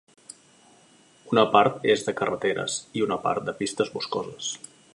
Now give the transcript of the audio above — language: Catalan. Una part és de carreteres i una part de pistes boscoses.